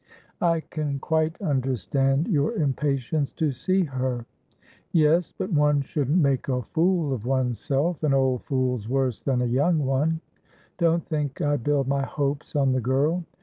"I can quite understand your impatience to see her." "Yes, but one shouldn't make a fool of oneself. An old fool's worse than a young one. Don't think I build my hopes on the girl.